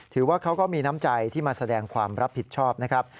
ถือว่าเขาก็มีน้ำใจที่มาแสดงความรับผิดชอบนะครับ